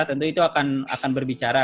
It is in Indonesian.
tentu itu akan berbicara